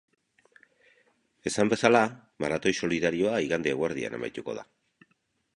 Esan bezala, maratoi solidarioa igande eguerdian amaituko da.